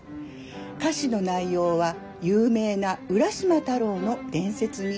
歌詞の内容は有名な浦島太郎の伝説に基づいています。